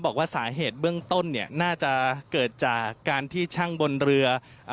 บอกว่าสาเหตุเบื้องต้นเนี่ยน่าจะเกิดจากการที่ช่างบนเรือ